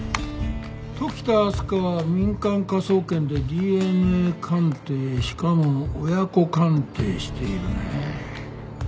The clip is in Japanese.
時田明日香は民間科捜研でＤＮＡ鑑定しかも親子鑑定しているねえ。